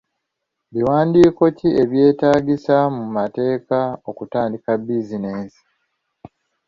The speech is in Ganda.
Biwandiiko ki ebyetaagisa mu mateeka okutandika bizinensi?